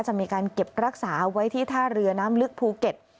จะมีการเก็บรักษาไว้ที่ท่าเรือน้ำลึกภูเก็ต